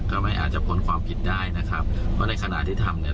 ไม่อาจจะพ้นความผิดได้นะครับเพราะในขณะที่ทำเนี่ย